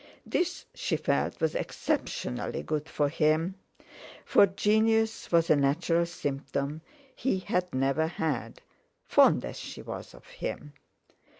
This, she felt, was exceptionally good for him, for genius was a natural symptom he had never had—fond as she was of him.